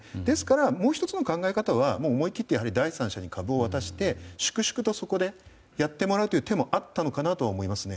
もう１つの考え方は思い切って第三者に株を渡して粛々とそこでやってもらう手もあったのかなとは思いますね。